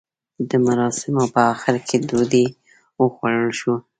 د مراسیمو په اخر کې ډوډۍ وخوړل شوه.